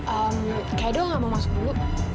ehm kak edo gak mau masuk dulu